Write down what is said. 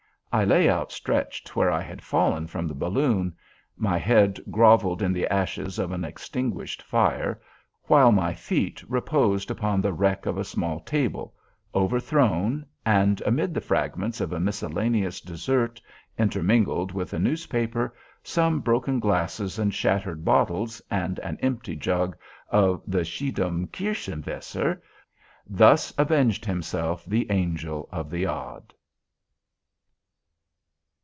I lay outstretched where I had fallen from the balloon. My head groveled in the ashes of an extinguished fire, while my feet reposed upon the wreck of a small table, overthrown, and amid the fragments of a miscellaneous dessert, intermingled with a newspaper, some broken glasses and shattered bottles, and an empty jug of the Schiedam Kirschenwässer. Thus revenged himself the Angel of the Odd.